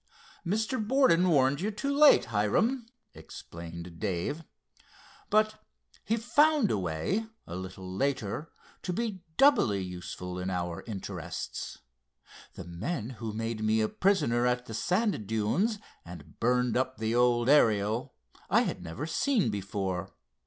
"Mr. Borden warned you too late, Hiram," explained Dave, "but he found a way, a little later, to be doubly useful in our interests. The men who made me a prisoner at the sand dunes and burned up the old Ariel I had never seen before.